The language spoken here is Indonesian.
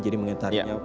jadi mengitarnya bumi